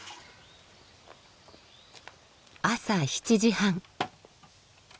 朝７時半。